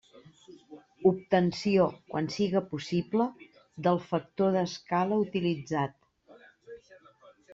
Obtenció, quan siga possible, del factor d'escala utilitzat.